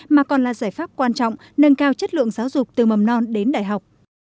mà còn là giải pháp quan trọng nâng cao chất lượng giáo dục từ mầm non đến đại học